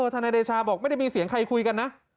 ทนายเดชาบอกไม่ได้มีเสียงใครคุยกันนะ